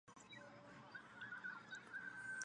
后担任文学部教授。